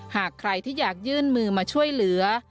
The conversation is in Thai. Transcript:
หากใครที่อยากยื่นมือมาช่วยเหลือ